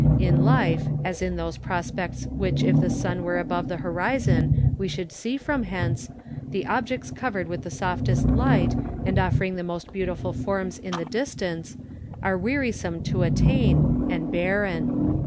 In life, as in those prospects which if the sun were above the horizon wo should see from hence, the objects covered with the softest light, and offering the most beauti ful forms in the distance, are wearisome to attain and barren.